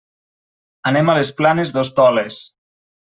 Anem a les Planes d'Hostoles.